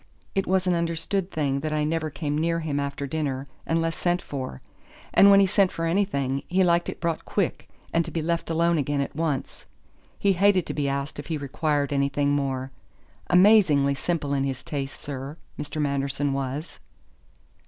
It was an understood thing that I never came near him after dinner unless sent for. And when he sent for anything, he liked it brought quick, and to be left alone again at once. He hated to be asked if he required anything more. Amazingly simple in his tastes, sir, Mr. Manderson was."